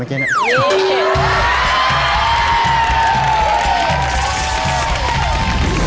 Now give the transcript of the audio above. เก๊นเนี่ย